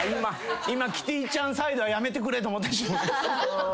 今キティちゃんサイドはやめてくれと思った。